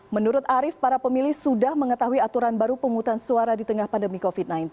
menurut arief para pemilih sudah mengetahui aturan baru penghutang suara di tengah pandemi covid sembilan belas